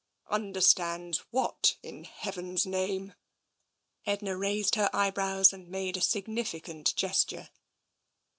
f< Understands what, in Heaven's name?" 256 TENSION * Edna raised her eyebrows and made a significant gesture.